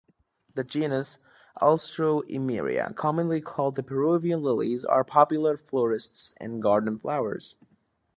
The genus "Alstroemeria", commonly called the Peruvian lilies, are popular florist's and garden flowers.